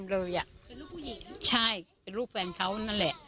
เป็นรูปผู้หญิงใช่เป็นรูปแฟนเค้านั่นแหละ